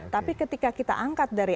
tapi ketika kita angkat dari